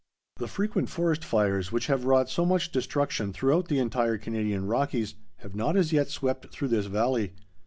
The frequent forest fires, which have wrought so much destruction throughout the entire Canadian Rockies, have not as yet swept through this valley.